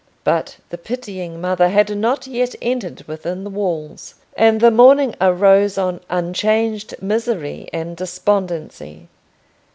But the Pitying Mother had not yet entered within the walls, and the morning arose on unchanged misery and despondency.